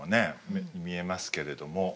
目に見えますけれども。